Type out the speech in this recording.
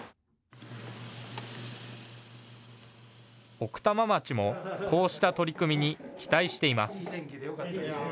奥多摩町も、こうした取り組みに期待しています。